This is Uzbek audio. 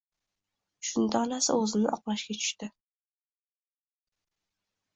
Shunda onasi o‘zini oqlashga tushdi